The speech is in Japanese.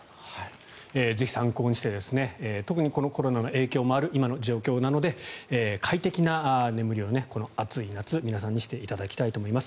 ぜひ参考にして特にコロナの影響がある今の状況なので、快適な眠りをこの暑い夏、皆さんにしていただきたいと思います。